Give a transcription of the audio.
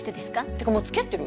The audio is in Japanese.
てかもう付き合ってる？